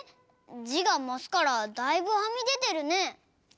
じがマスからだいぶはみでてるね。